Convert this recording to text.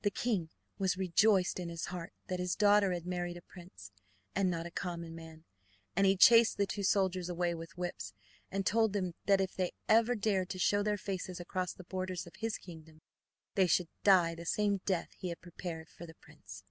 The king was rejoiced in his heart that his daughter had married a prince, and not a common man, and he chased the two soldiers away with whips, and told them that if they ever dared to show their faces across the borders of his kingdom, they should die the same death he had prepared for the prince.